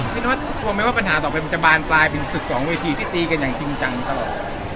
นวดกลัวไหมว่าปัญหาต่อไปมันจะบานปลายเป็นศึกสองเวทีที่ตีกันอย่างจริงจังตลอด